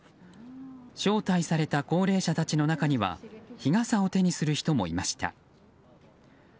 招待された高齢者たちの中には日傘を手にする人もいました。